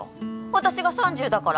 私が３０だから？